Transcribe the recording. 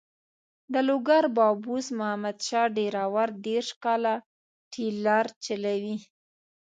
د لوګر بابوس محمد شاه ډریور دېرش کاله ټریلر چلوي.